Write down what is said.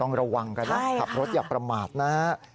ระวังกันนะขับรถอย่าประมาทนะฮะ